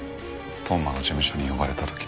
当麻の事務所に呼ばれた時の。